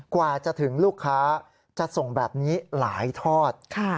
กว่าจะถึงลูกค้าจะส่งแบบนี้หลายทอด